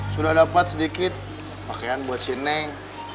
sudah dapat sedikit pakaian buat si neng